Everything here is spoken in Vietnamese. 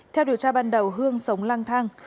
theo điều tra ban đầu hương sống lang thang